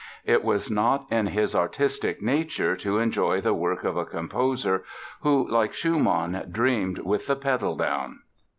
It was not in his artistic nature to enjoy the work of a composer who, like Schumann, "dreamed with the pedal down".